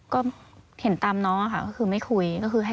ก็เห็นตามน้องค่ะ